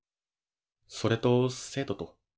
それと生徒と。